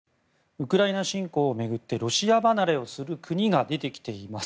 ウクライナ侵攻を巡ってロシア離れをする国が出てきています。